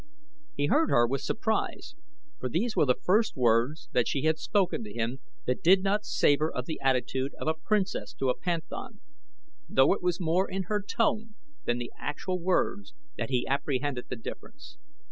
He heard her with surprise for these were the first words that she had spoken to him that did not savor of the attitude of a princess to a panthan though it was more in her tone than the actual words that he apprehended the difference.